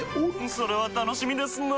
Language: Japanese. それは楽しみですなぁ。